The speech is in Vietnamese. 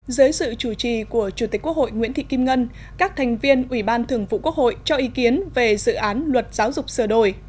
dưới sự chủ trì của chủ tịch quốc hội nguyễn thị kim ngân các thành viên ủy ban thường vụ quốc hội cho ý kiến về dự án luật giáo dục sửa đổi